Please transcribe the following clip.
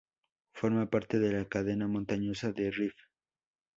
Forma parte de la cadena montañosa del Rif.